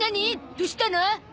どうしたの？